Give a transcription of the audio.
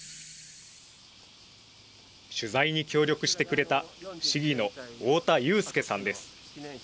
取材に協力してくれた市議の大田祐介さんです。